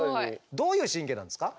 どういう神経なんですか？